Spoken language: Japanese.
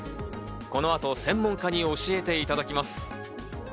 この後、専門家に教えていただきます。